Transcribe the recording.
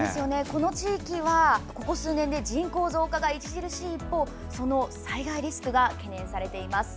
この地域は、ここ数年で人口増加が著しい一方その災害リスクが懸念されています。